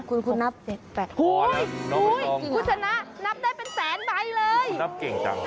อุ๊ยคุณชนะนับได้เป็นแสนใบเลยคุณชนะ